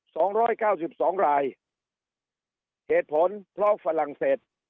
สองร้อยเก้าสิบสองรายเหตุผลเพราะฝรั่งเศส